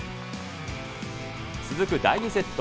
続く第２セット。